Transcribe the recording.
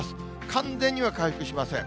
完全には回復しません。